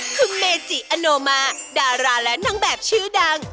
คุณเมจิอโนมาดาราและนางแบบชื่อดัง